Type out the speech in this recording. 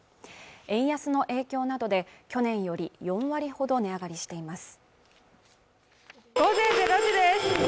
円安の影響などで去年より４割ほど値上がりしています